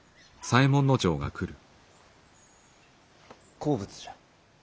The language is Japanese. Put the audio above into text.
好物じゃ。